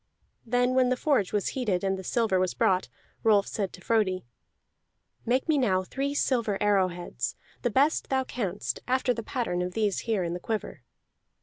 Then when the forge was heated and the silver was brought, Rolf said to Frodi: "Make me now three silver arrowheads, the best thou canst, after the pattern of these here in the quiver."